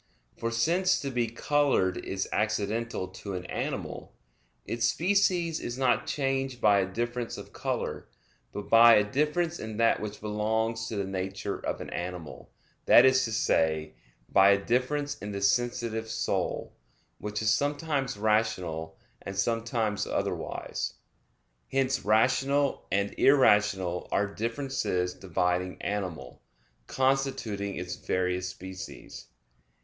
For since to be colored is accidental to an animal, its species is not changed by a difference of color, but by a difference in that which belongs to the nature of an animal, that is to say, by a difference in the sensitive soul, which is sometimes rational, and sometimes otherwise. Hence "rational" and "irrational" are differences dividing animal, constituting its various species.